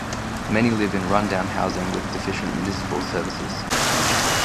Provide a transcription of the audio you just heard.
Many live in rundown housing with deficient municipal services.